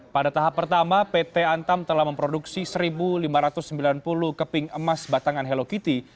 pada tahap pertama pt antam telah memproduksi satu lima ratus sembilan puluh keping emas batangan hello kitty